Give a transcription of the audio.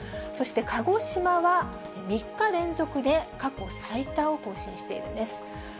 そして鹿児島は、３日連続で過去最多を更新しているんです。